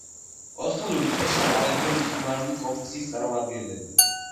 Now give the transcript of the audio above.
ოსმალური ფესს ატარებდნენ მუსულმანური კონფესიის წარმომადგენლები.